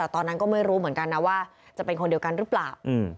แต่ตอนนั้นก็ไม่รู้เหมือนกันนะว่าจะเป็นคนเดียวกันหรือเปล่า